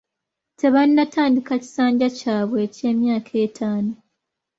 Tebannatandika kisanja kyabwe eky’emyaka ettaano.